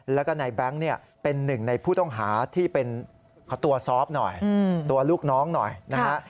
แล้วก็นายแบงค์เนี่ยเป็นหนึ่งในผู้ต้องหาที่เป็นขอตัวซอฟต์หน่อยตัวลูกน้องหน่อยนะฮะ